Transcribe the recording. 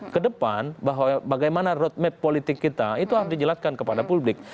kedepan bagaimana road map politik kita itu harus dijelaskan kepada publik